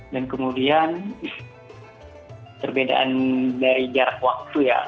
dan kemudian terbedaan dari jarak waktu ya